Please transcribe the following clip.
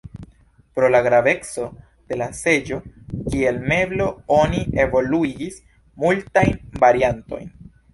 Pro la graveco de la seĝo kiel meblo oni evoluigis multajn variantojn.